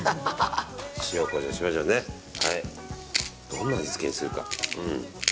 どんな味付けにするか。